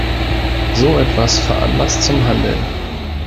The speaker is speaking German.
So etwas veranlasst zum Handeln.